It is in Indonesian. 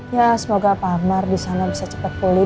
ya semoga pak amar disana bisa cepat pulih